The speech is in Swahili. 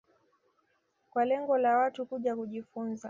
kwa lengo la Watu kuja kujifunza